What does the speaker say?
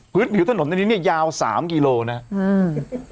พื้นผิวถนนนี้ยาว๓กิโลนะครับ